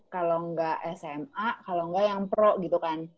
kalau gak sma kalau gak yang pro gitu kan